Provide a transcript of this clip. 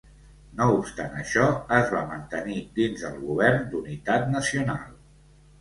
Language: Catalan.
No obstant això, es va mantenir dins del govern d'unitat nacional.